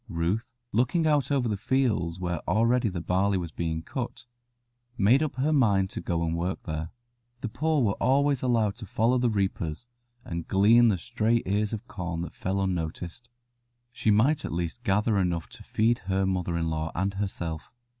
Ruth, looking out over the fields where already the barley was being cut, made up her mind to go and work there. The poor were always allowed to follow the reapers and glean the stray ears of corn that fell unnoticed. She might at least gather enough to feed her mother in law and herself.